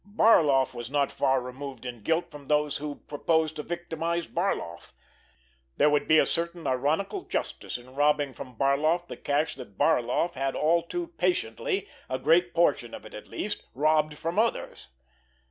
Barloff was not far removed in guilt from those who proposed to victimize Barloff! There would be a certain ironical justice in robbing from Barloff the cash that Barloff had all too patiently, a great portion of it at least, robbed from others!